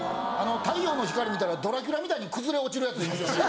太陽の光見たらドラキュラみたいに崩れ落ちるヤツいますよね。